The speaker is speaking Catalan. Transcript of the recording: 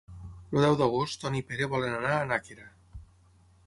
El deu d'agost en Ton i en Pere volen anar a Nàquera.